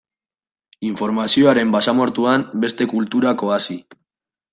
Informazioaren basamortuan, beste kulturak oasi.